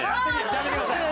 やめてください。